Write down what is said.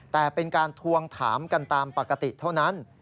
แต่เป็นการทวงถามกันตามปกติเท่านั้น